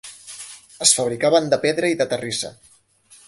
Es fabricaven de pedra i de terrissa.